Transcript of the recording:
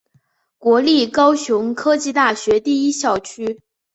国立高雄科技大学第一校区。